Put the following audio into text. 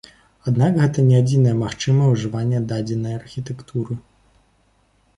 Аднак гэта не адзінае магчымае ужыванне дадзенай архітэктуры.